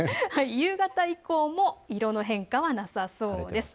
夕方以降も色の変化はなさそうです。